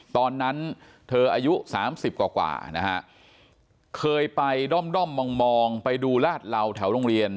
ตอนนั้นเธออายุ๓๐กว่านะฮะเคยไปด้อมมองไปดูลาดเหลาแถวโรงเรียน